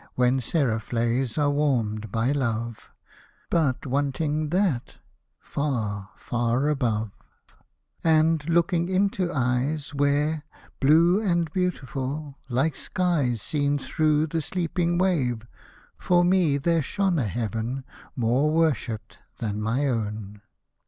When seraph lays are warmed by love, But, wanting that^ far, far above !— And looking into eyes where, blue And beautiful, like skies seen through The sleeping wave, for me there shone A heaven, more worshipped than my own.